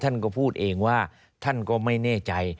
ท่านก็พูดเองว่าท่านก็ไม่แน่ใจ